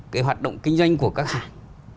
cái hoạt động kinh doanh của các hãng